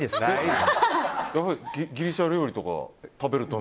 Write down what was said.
やっぱりギリシャ料理とか食べると。